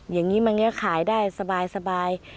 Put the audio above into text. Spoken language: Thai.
อย่างนี้มันก็ขายได้สบาย